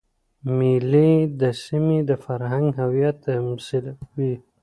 مېلې د سیمي د فرهنګ هویت تمثیلوي.